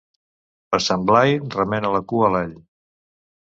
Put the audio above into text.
Per Sant Blai remena la cua l'all.